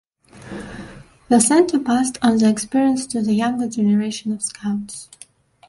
The Center passed on the experience to the younger generation of scouts.